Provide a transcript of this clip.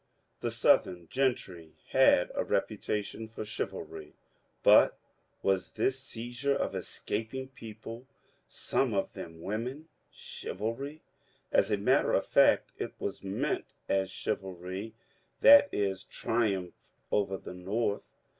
The Southern gentry had a reputation for chivalry." But was this seizure of escaping people, some of them women, ^^ chivaby "? As a matter of fact it was meant as chivalry, that is, triumph over the North.